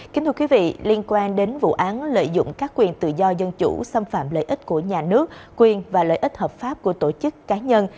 kính thưa quý vị liên quan đến vụ án lợi dụng các quyền tự do dân chủ xâm phạm lợi ích của nhà nước quyền và lợi ích hợp pháp của tổ chức cá nhân